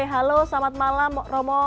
halo selamat malam romo